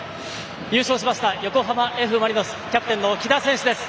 優勝しました横浜Ｆ・マリノスキャプテンの喜田選手です。